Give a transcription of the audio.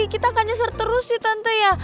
kita akan nyasar terus sih tante ya